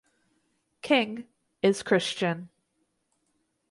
King is Christian.